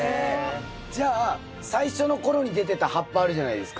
じゃあ最初の頃に出てた葉っぱあるじゃないですか。